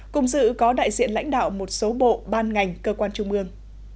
cùng dự có đại diện lãnh đạo một số bộ ban ngành cơ quan trung ương